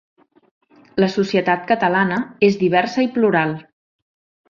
La societat catalana és diversa i plural.